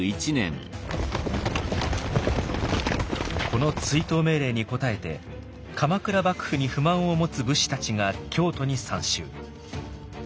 この追討命令に応えて鎌倉幕府に不満を持つ武士たちが京都に参集。